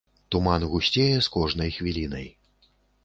Туман гусцее з кожнай хвілінай.